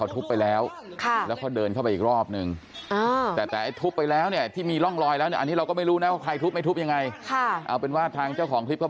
ทุบหน้าจริงนี่แรงไหมล่ะนี่ทำให้ฉันผู้หญิงทุบหน้าเลยนะ